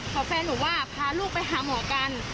พอแฟนหนูว่าพาลูกไปหาหมอกัน